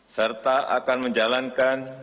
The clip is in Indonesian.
serta akan menjalankan